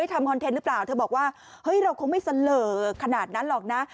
ทำคอนเทนต์หรือเปล่าเธอบอกว่าเฮ้ยเราคงไม่เสลอขนาดนั้นหรอกนะ